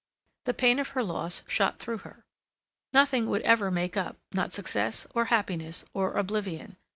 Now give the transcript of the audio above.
The pain of her loss shot through her. Nothing would ever make up—not success, or happiness, or oblivion.